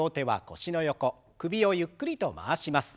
首をゆっくりと回します。